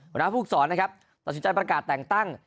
บรรณาภูกษรนะครับตัดสินใจประกาศแต่งตั้ง